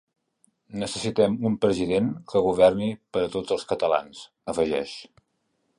Necessitem un president que governi per a tots els catalans, afegeix.